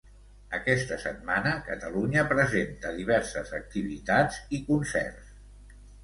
Aquesta setmana Catalunya presenta diverses activitats i concerts.